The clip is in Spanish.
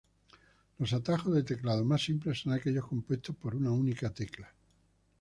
Los atajos de teclado más simples son aquellos compuestos por una única tecla.